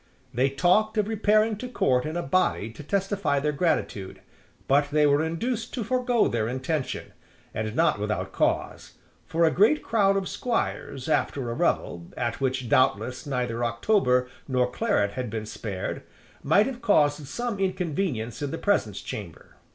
They talked of repairing to Court in a body to testify their gratitude: but they were induced to forego their intention; and not without cause: for a great crowd of squires after a revel, at which doubtless neither October nor claret had been spared, might have caused some inconvenience in the presence chamber.